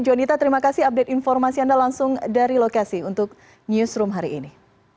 jonita terima kasih update informasi anda langsung dari lokasi untuk newsroom hari ini